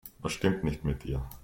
Was stimmt nicht mit dir?